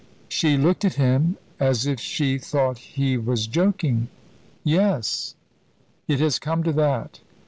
She looked at him as if she thought he was joking. "Yes, it has come to that.